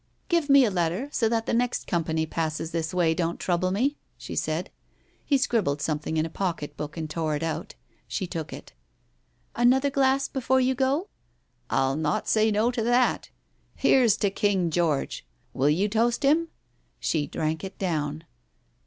"Give me a letter — so that the next company passes this way don't trouble me," she said. He scribbled something in a pocket book, and tore it out. She took it. " Another glass before you go ?" "I'll not say no to that. Here's to King George! Will you toast him ?" She drank it down.